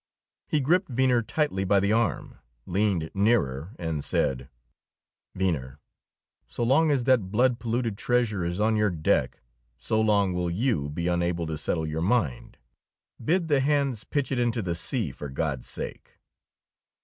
He gripped Venner tightly by the arm, leaned nearer, and said: "Venner, so long as that blood polluted treasure is on your deck, so long will you be unable to settle your mind. Bid the hands pitch it into the sea, for God's sake!"